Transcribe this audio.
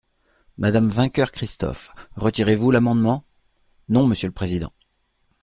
Madame Vainqueur-Christophe, retirez-vous l’amendement ? Non, monsieur le président.